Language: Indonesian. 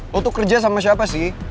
lo tuh kerja sama siapa sih